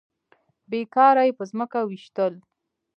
بې کاره يې په ځمکه ويشتل.